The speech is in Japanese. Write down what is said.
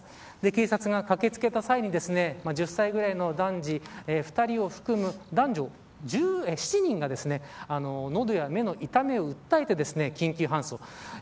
警察が駆けつけた際に１０歳ぐらいの男児２人を含む男女７人が喉や目の痛みを訴えて緊急搬送。